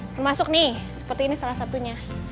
termasuk nih seperti ini salah satunya